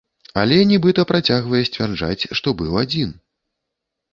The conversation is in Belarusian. Але нібыта працягвае сцвярджаць, што быў адзін.